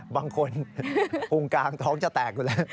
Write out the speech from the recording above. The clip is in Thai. บางคนพุงกลางท้องจะแตกอยู่แล้ว